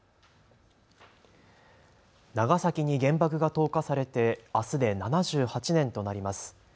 長崎に原爆が投下されてあすで７８年となります。